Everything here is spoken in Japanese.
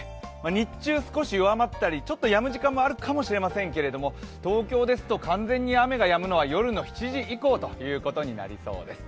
日中少し弱まったりやんだりするところもあるかもしれませんが東京ですと、完全に雨がやむのは夜の７時以降となりそうです。